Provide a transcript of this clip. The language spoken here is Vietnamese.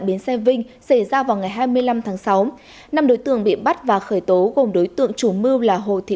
biến xe vinh xảy ra vào ngày hai mươi năm tháng sáu năm đối tượng bị bắt và khởi tố gồm đối tượng chủ mưu là hồ thị